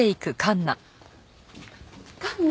環奈。